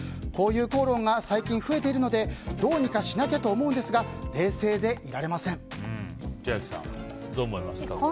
こういう口論が最近増えているのでどうにかしなきゃと思うんですが冷静でいられません。